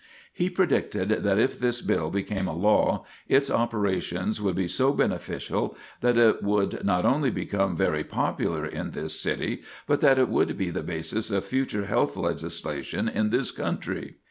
He predicted that if this bill became a law its operations would be so beneficial that it would not only become very popular in this city, but that it would be the basis of future health legislation in this country.